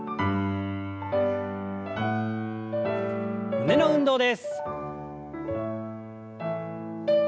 胸の運動です。